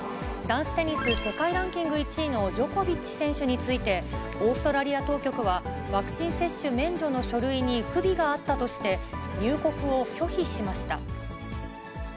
男子テニス世界ランキング１位のジョコビッチ選手について、オーストラリア当局は、ワクチン接種免除の書類に不備があったとして、入国を拒否しました。